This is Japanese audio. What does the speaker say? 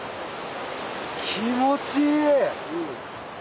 気持ちいい！